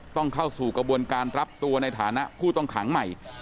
เข้าสู่กระบวนการรับตัวในฐานะผู้ต้องขังใหม่